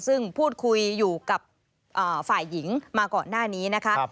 ซึ่งพูดคุยอยู่กับฝ่ายหญิงมาก่อนหน้านี้นะคะ